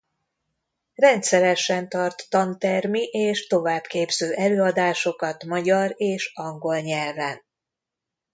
Rendszeresen tart tantermi és továbbképző előadásokat magyar és angol nyelven.